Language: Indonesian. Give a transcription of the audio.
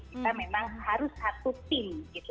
kita memang harus satu tim